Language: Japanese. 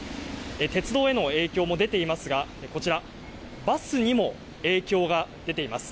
鉄道への影響も出ていますがこちら、バスにも影響が出ています。